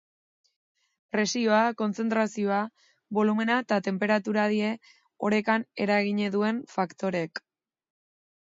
Presioa, kontzentrazioa, bolumena eta tenperatura dira orekan eragina duten faktoreak.